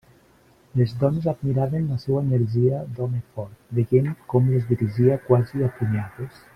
Les dones admiraven la seua energia d'home fort, veient com les dirigia quasi a punyades.